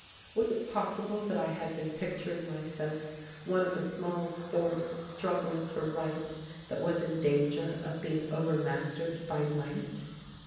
Was it possible that I had been picturing myself one of a small force struggling for Right that was in danger of being overmastered by Might!